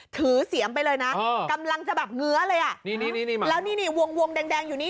เสียมไปเลยนะกำลังจะแบบเงื้อเลยอ่ะนี่นี่มาแล้วนี่นี่วงวงแดงแดงอยู่นี่